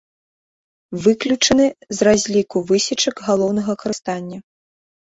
Выключаны з разліку высечак галоўнага карыстання.